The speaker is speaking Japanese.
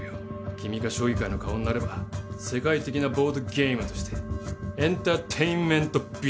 君が将棋界の顔になれば世界的なボードゲームとしてエンターテインメントビジネスになる。